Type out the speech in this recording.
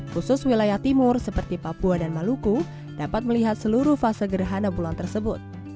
khusus wilayah timur seperti papua dan maluku dapat melihat seluruh fase gerhana bulan tersebut